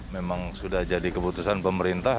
memang sudah jadi keputusan pemerintah